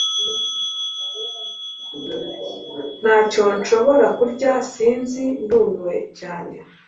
Ntacyo nshobora kurya… Sinzi… Ndumiwe cyane